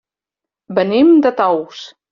Venim de Tous.